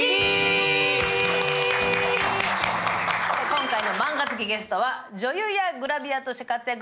今回のマンガ好きゲストは女優はグラビアで活躍